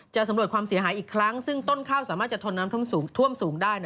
สำรวจความเสียหายอีกครั้งซึ่งต้นข้าวสามารถจะทนน้ำท่วมสูงได้